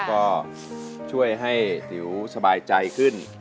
ก็ช่วยให้ติ๋วสบายใจขึ้น